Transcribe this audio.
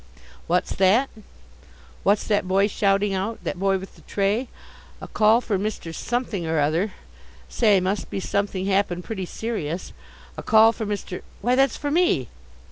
What's that? What's that boy shouting out that boy with the tray? A call for Mr. Something or Other say, must be something happened pretty serious! A call for Mr. why, that's for me!